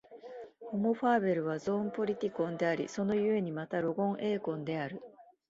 ホモ・ファーベルはゾーン・ポリティコンであり、その故にまたロゴン・エコーンである。